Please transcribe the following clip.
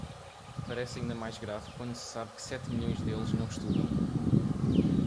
parece ainda mais grave quando se sabe que sete milhões deles não estudam